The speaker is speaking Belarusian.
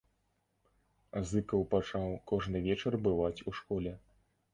Зыкаў пачаў кожны вечар бываць у школе.